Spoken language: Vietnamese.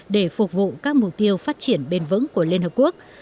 để phục vụ các mục tiêu phát triển bền vững của liên hợp quốc